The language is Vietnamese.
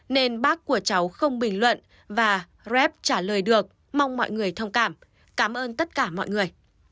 nên bác của cháu không bình luận và reb trả lời được mong mọi người thông cảm cảm ơn tất cả mọi người